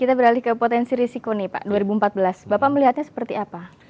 kita beralih ke potensi risiko nih pak dua ribu empat belas bapak melihatnya seperti apa